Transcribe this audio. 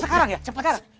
sekarang ya cepet arah